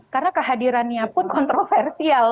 karena kehadirannya pun kontroversial